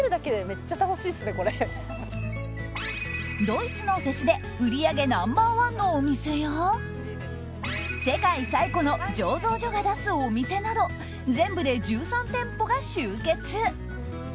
ドイツのフェスで売り上げナンバー１のお店や世界最古の醸造所が出すお店など全部で１３店舗が集結。